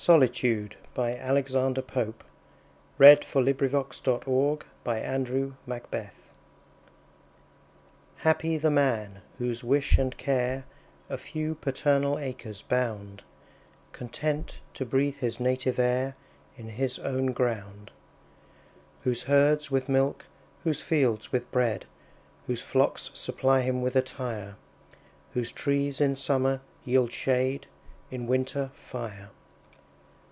C D . E F . G H . I J . K L . M N . O P . Q R . S T . U V . W X . Y Z Solitude HAPPY the man, whose wish and care A few paternal acres bound, Content to breathe his native air In his own ground. Whose herds with milk, whose fields with bread, Whose flocks supply him with attire; Whose trees in summer yield shade, In winter, fire.